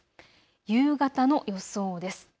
夕方の予想です。